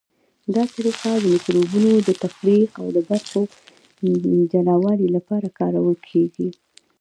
دا طریقه د مکروبونو د تفریق او برخو د جلاوالي لپاره کارول کیږي.